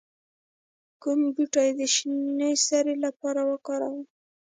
کوم بوټي د شینې سرې لپاره وکاروم؟